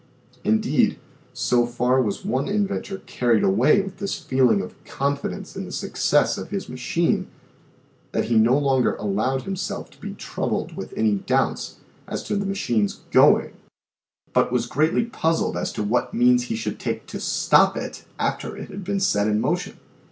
Indeed, so far was one inventor carried away with this feeling of con fidence in the success of his machine that he no longer allowed himself to be troubled with any doubts as to the machine's going but was greatly puzzled as to what means he should take to stop it after it had been set in motion